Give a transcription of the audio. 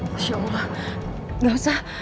masya allah gak usah